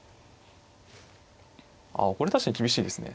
あこれ確かに厳しいですね。